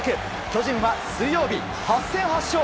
巨人は水曜日８戦８勝。